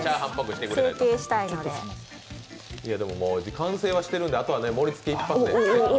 完成はしてるんで、あとは盛りつけ一発で。